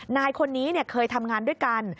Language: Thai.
นายคนนี้เคยทำงานด้วยกัน